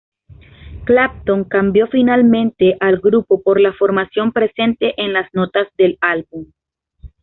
Clapton cambió finalmente al grupo por la formación presente en las notas del álbum.